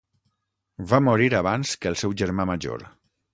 Va morir abans que el seu germà major.